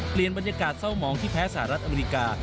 บรรยากาศเศร้าหมองที่แพ้สหรัฐอเมริกา